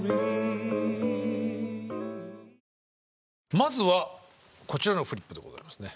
まずはこちらのフリップでございますね。